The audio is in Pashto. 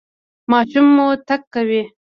ماشوم مو تګ کوي؟